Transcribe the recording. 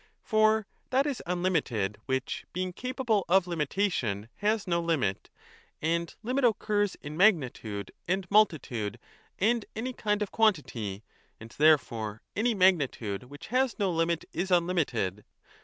For that is unlimited which, being capable of limitation, has no limit, and limit occurs in magnitude and multitude and any kind of quantity ; and therefore any magnitude which has no limit is unlimited.